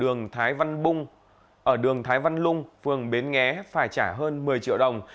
ở đường thái văn lung phường bến nghé phải trả hơn một mươi triệu đồng